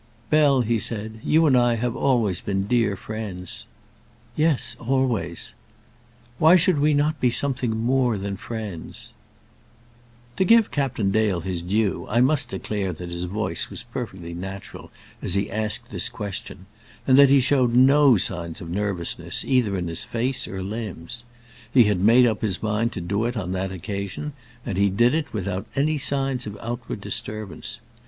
"Bell," he said, "you and I have always been dear friends." "Yes; always." "Why should we not be something more than friends?" To give Captain Dale his due I must declare that his voice was perfectly natural as he asked this question, and that he showed no signs of nervousness, either in his face or limbs. He had made up his mind to do it on that occasion, and he did it without any signs of outward disturbance.